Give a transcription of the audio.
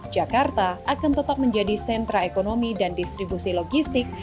jakarta akan tetap menjadi sentra ekonomi dan distribusi logistik